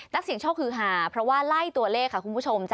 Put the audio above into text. เสียงโชคคือหาเพราะว่าไล่ตัวเลขค่ะคุณผู้ชม